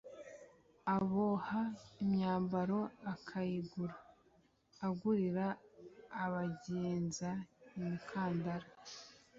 Aboha imyambaro akayigura, agurira abagenza imikandara